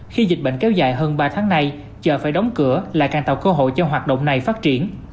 khi dịch bệnh kéo dài hơn ba tháng nay chờ phải đóng cửa lại càng tạo cơ hội cho hoạt động này phát triển